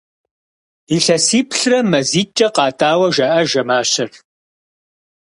Илъэсиплӏрэ мазитӏкӏэ къатӏауэ жаӏэж а мащэр.